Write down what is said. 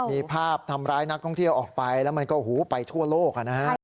มีภาพทำร้ายนักท่องเที่ยวออกไปแล้วมันก็ไปทั่วโลกนะฮะ